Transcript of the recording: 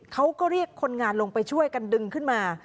เขาก็เรียกคนงานลงไปช่วยกันดึงขึ้นมา